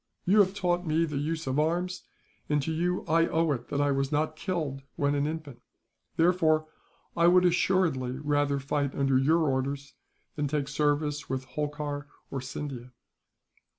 You have taught me the use of arms, and to you I owe it that I was not killed, when an infant; therefore I would assuredly rather fight under your orders, than take service with Holkar or Scindia.